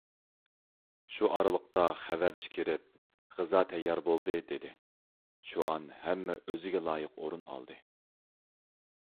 شۇ ئارىلىقتا خەۋەرچى كىرىپ: «غىزا تەييار بولدى» دېدى. شۇئان ھەممە ئۆزىگە لايىق ئورۇن ئالدى.